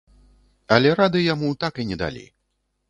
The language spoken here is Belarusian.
Але рады яму так і не далі.